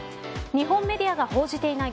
日本メディアが報じていない